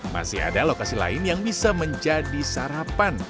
masih ada lokasi lain yang bisa menjadi sarapan